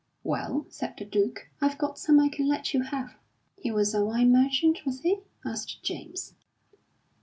'Well,' said the Duke, 'I've got some I can let you have.'" "He was a wine merchant, was he?" asked James.